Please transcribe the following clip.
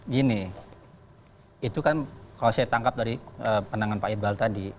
gini itu kan kalau saya tangkap dari pandangan pak iqbal tadi